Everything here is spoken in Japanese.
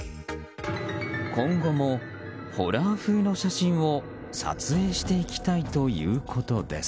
今後もホラー風の写真を撮影していきたいということです。